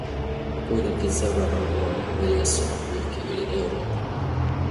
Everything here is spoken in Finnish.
Ja kuitenkin seuraavana vuonna veljessota pyyhki yli Euroopan.